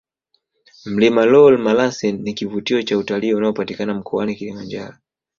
mlima lool malasin ni kivutio cha utalii unapatikana mkoani Kilimanjaro